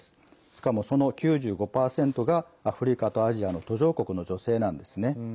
しかも、その９５％がアフリカとアジアの途上国の女性なんですね。